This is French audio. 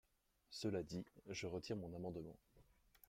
Cela dit, je retire mon amendement.